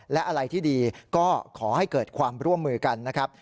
และอะไรที่ดีก็ขอให้เกิดความร่วมมือกันนะครับ